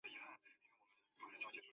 他也代表苏格兰国家足球队参赛。